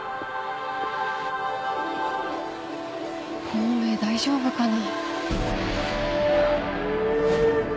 孔明大丈夫かな？